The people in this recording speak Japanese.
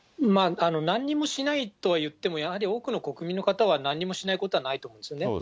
なんにもしないとは言っても、やはり多くの国民の方は何もしないことはないと思うんですよね。